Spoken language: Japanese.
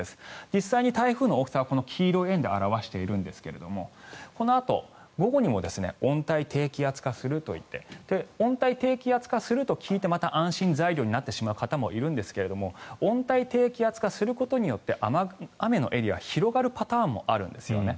実際に台風の大きさは黄色い円で表しているんですがこのあと、午後にも温帯低気圧化するといって温帯低気圧化すると聞いてまた安心材料になってしまう方もいるんですが温帯低気圧化することによって雨のエリアが広がるパターンもあるんですよね。